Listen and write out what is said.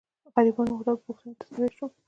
د غريبانه هوټل په پوښتنه ستړی شوم.